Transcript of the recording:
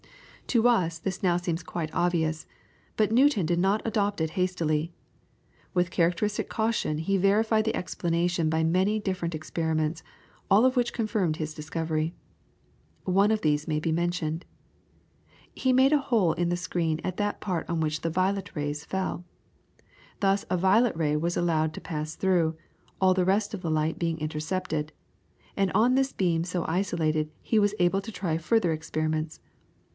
To us this now seems quite obvious, but Newton did not adopt it hastily. With characteristic caution he verified the explanation by many different experiments, all of which confirmed his discovery. One of these may be mentioned. He made a hole in the screen at that part on which the violet rays fell. Thus a violet ray was allowed to pass through, all the rest of the light being intercepted, and on this beam so isolated he was able to try further experiments.